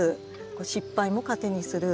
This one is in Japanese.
失敗も糧にする。